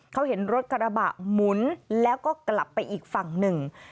เขาเห็นรถกระบะหมุนแล้วก็กลับไปอีกฝั่งหนึ่ง